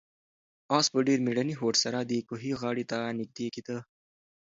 آس په ډېر مېړني هوډ سره د کوهي غاړې ته نږدې کېده.